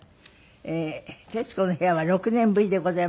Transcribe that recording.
『徹子の部屋』は６年ぶりでございます。